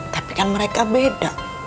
tapi kan mereka beda